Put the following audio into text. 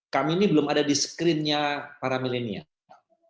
kami ini belum ada di screen nya para milenial